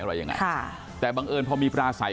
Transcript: ขอบอกค่าขอเรื่องในในวิทยาลัยการหาผี่